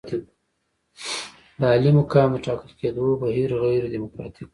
د عالي مقام د ټاکل کېدو بهیر غیر ډیموکراتیک وو.